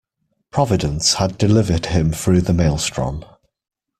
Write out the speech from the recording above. Providence had delivered him through the maelstrom.